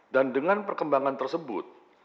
dan dengan perkembangan tersebut